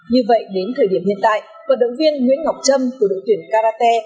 như vậy đến thời điểm hiện tại vận động viên nguyễn ngọc trâm của đội tuyển karate